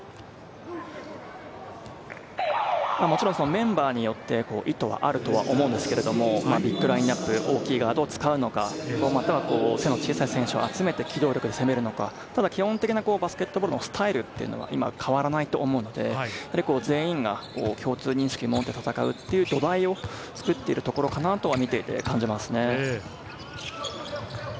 もちろんメンバーによって意図はあるとは思うんですけれども、ビッグラインナップ、大きいガードを使うのか、背の小さい選手を集めて起動力で攻めるのか、基本的なバスケットボールのスタイルは今変わらないと思うので、全員が共通認識を持って戦うという土台を作っているところかなとは見ていて感じますね。